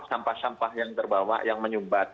sampah sampah yang terbawa yang menyumbat